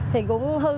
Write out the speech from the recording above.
thì cũng hư